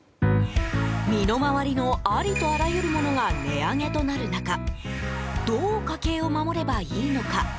身の回りのありとあらゆるものが値上げとなる中どう家計を守ればいいのか。